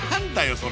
それ